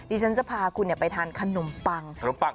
ดิฉันจะพาคุณไปทานขนมปังขนมปัง